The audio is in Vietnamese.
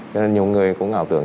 cho nên nhiều người cũng ngạo tưởng